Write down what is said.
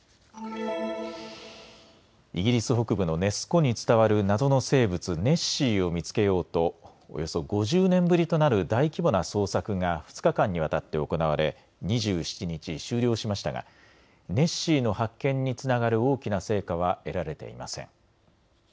イギリス北部のネス湖に伝わる謎の生物、ネッシーを見つけようとおよそ５０年ぶりとなる大規模な捜索が２日間にわたって行われ２７日、終了しましたがネッシーの発見につながる大きな成果は得られていません。